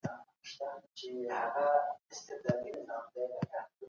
پسله كلونو چي ژړا ويـنمه خوند راكوي